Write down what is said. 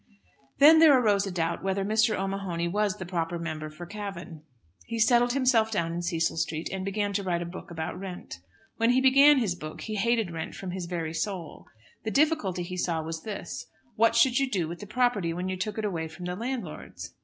Then, there arose a doubt whether Mr. O'Mahony was the proper member for Cavan. He settled himself down in Cecil Street and began to write a book about rent. When he began his book he hated rent from his very soul. The difficulty he saw was this: what should you do with the property when you took it away from the landlords?